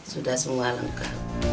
sudah semua lengkap